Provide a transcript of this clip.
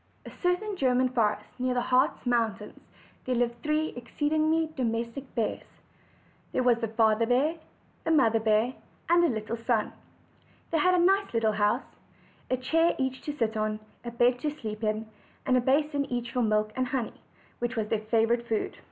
a certain German forest near the Hartz mountains there lived three exceedingly domestic bears. There was the Father bear, the Mother bear, and a little son. They had a nice little house; a chair each to sit on, a bed to sleep in, and a basin each for milk and honey, which was their favorite food.